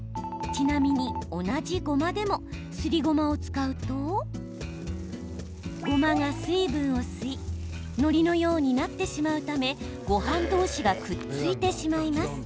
ちなみに、同じごまでもすりごまを使うとごまが水分を吸いのりのようになってしまうためごはん同士がくっついてしまいます。